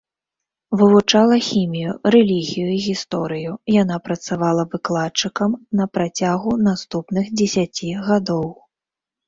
Вывучала хімію, рэлігію і гісторыю, яна працавала выкладчыкам на працягу наступных дзесяці гадоў.